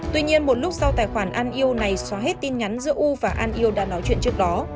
tuy nhiên một lúc sau tài khoản an yêu này xóa hết tin nhắn giữa u và an yêu đã nói chuyện trước đó